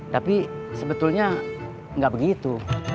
tapi sebetulnya nggak begitu